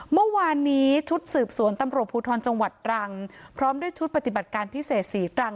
เมื่อวานนี้ชุดสืบสวนตำรวจภูทรจังหวัดตรังพร้อมด้วยชุดปฏิบัติการพิเศษศรีตรัง